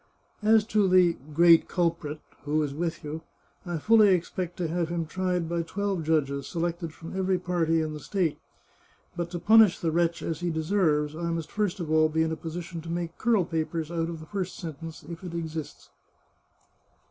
" As to the great culprit, who is with you, I fully expect to have him tried by twelve judges, selected from every party in the state. But to punish the wretch as he deserves, I must first of all be in a position to make curl papers out of the first sentence, if it exists."